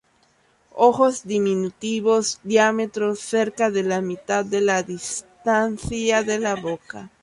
Ojos diminutos, diámetro cerca de la mitad de la distancia de la boca.